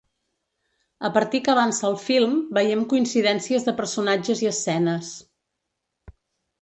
A partir que avança el film, veiem coincidències de personatges i escenes.